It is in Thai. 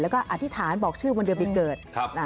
แล้วก็อธิษฐานบอกชื่อวันเดือนปีเกิด